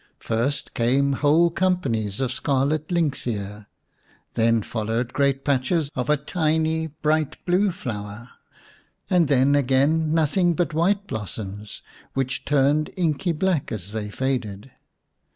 First came whole companies of scarlet lynx ear, then followed great patches of a tiny bright blue flower, and then again nothing but white blossoms, which turned inky black as they faded.